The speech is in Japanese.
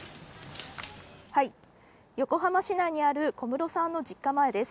横浜市内にある小室さんの実家前です。